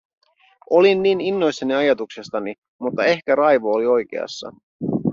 Olin niin innoissani ajatuksestani, mutta ehkä Raivo oli oikeassa.